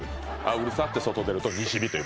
うるさって外出ると西日っていう